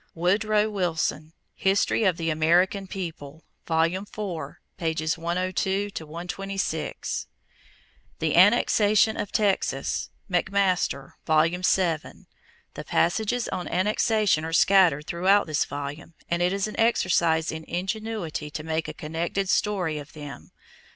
Woodrow Wilson, History of the American People, Vol. IV, pp. 102 126. =The Annexation of Texas.= McMaster, Vol. VII. The passages on annexation are scattered through this volume and it is an exercise in ingenuity to make a connected story of them.